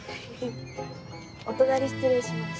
お隣失礼します。